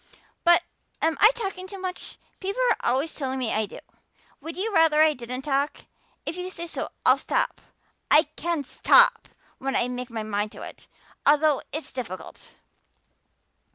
But am I talking too much? People are always telling me I do. Would you rather I didn't talk? If you say so I'll stop. I can stop when I make up my mind to it, although it's difficult."